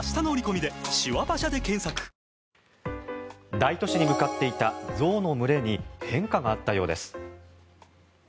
大都市に向かっていた象の群れに変化があったようです。